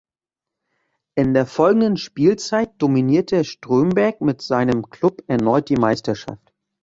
In der folgenden Spielzeit dominierte Strömberg mit seinem Klub erneut die Meisterschaft.